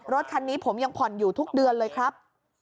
รถคันนี้ผมยังผ่อนอยู่ทุกเดือนเลยครับ